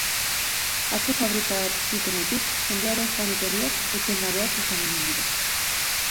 Atzo fabrika hartu zutenetik, jendearen joan-etorriak etengabeak izan omen dira.